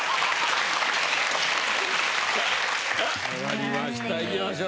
分かりましたいきましょう。